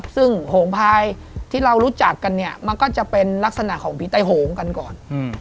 ซึ่งโหงพายที่เรารู้จักกันเนี่ยมันก็จะเป็นลักษณะของผีใต้โหงกันก่อน